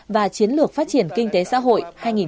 và chiến lược phát triển kinh tế xã hội